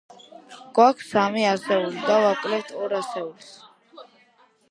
გვაქვს სამი ასეული და ვაკლებთ ორ ასეულს.